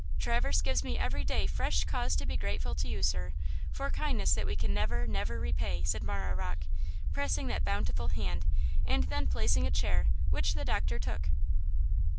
"Traverse gives me every day fresh cause to be grateful to you, sir, for kindness that we can never, never repay," said Marah Rocke, pressing that bountiful hand and then placing a chair, which the doctor took.